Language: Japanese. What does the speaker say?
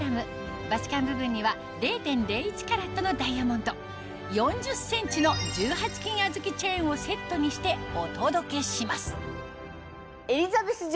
バチカン部分には０．０１カラットのダイヤモンド４０ｃｍの１８金あずきチェーンをセットにしてお届けします